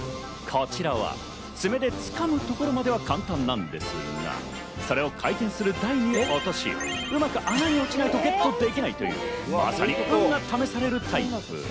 こちらはツメでつかむところまでは簡単なんですが、それを回転する台に落とし、うまく穴に落ちないとゲットできないという、まさに運が試されるタイプ。